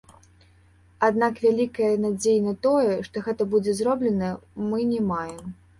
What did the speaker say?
Аднак вялікае надзеі на тое, што гэта будзе зроблена, мы не маем.